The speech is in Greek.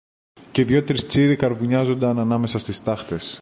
και δυο τρεις τσίροι καρβουνιάζουνταν ανάμεσα στις στάχτες.